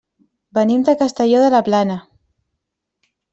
Venim de Castelló de la Plana.